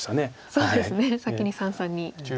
そうですね先に三々に。